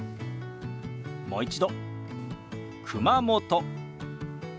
もう一度「熊本」。